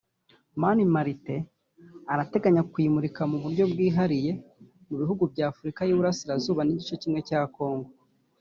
Mani Martin arateganya kuyimurika mu buryo bwihariye mu bihugu bya Afurika y’Uburasirazuba n’igice kimwe cya Congo